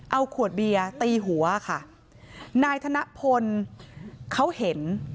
เอาขวดเบียร์ตีหัวค่ะนายธนพลเขาเห็น